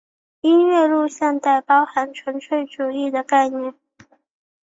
音乐录像带包含纯粹主义的概念。